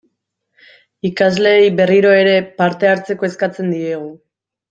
Ikasleei, berriro ere, parte hartzeko eskatzen diegu.